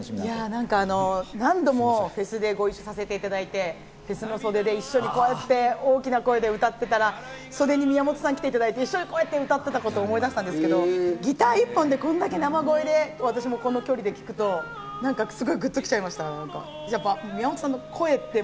何度もフェスでご一緒させていただいて、フェスのそでで一緒にこうやって大きな声で歌ってたら、袖に宮本さん来ていただいて、一緒にこうやって歌っていたことを思い出したんですけど、ギター１本でこれだけ生声で聴くとグッと来ちゃいました。